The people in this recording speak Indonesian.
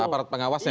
aparat pengawasnya ya